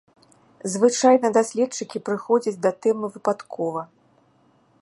Звычайна даследчыкі прыходзяць да тэмы выпадкова.